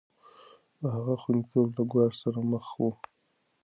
د هغه خونديتوب له ګواښ سره مخ و.